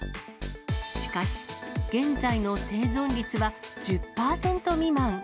しかし、現在の生存率は１０％未満。